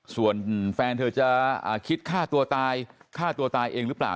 ส่วนแฟนเธอจะคิดฆ่าตัวตายฆ่าตัวตายเองหรือเปล่า